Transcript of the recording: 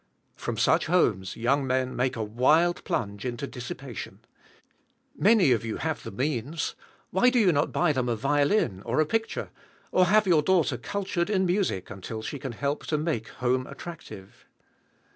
From such homes young men make a wild plunge into dissipation. Many of you have the means: why do you not buy them a violin or a picture? or have your daughter cultured in music until she can help to make home attractive?